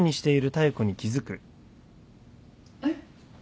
えっ？